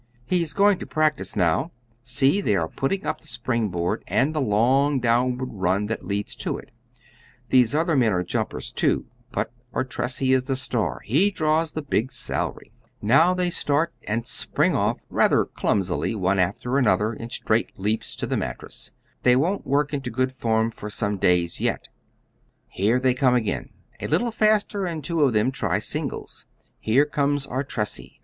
He's going to practise now; see, they are putting up the spring board and the long downward run that leads to it. These other men are jumpers, too, but Artressi is the star; he draws the big salary. [Illustration: "FOUR ELEPHANTS WAS ENOUGH FOR ANY MAN TO LEAP OVER."] Now they start and spring off rather clumsily, one after another, in straight leaps to the mattress. They won't work into good form for some days yet. Here they come again, a little faster, and two of them try singles. Here comes Artressi.